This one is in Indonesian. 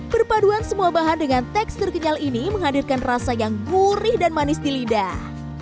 perpaduan semua bahan dengan tekstur kenyal ini menghadirkan rasa yang gurih dan manis di lidah